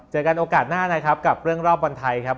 เจอกันโอกาสหน้านะครับกับเรื่องรอบบอลไทยครับ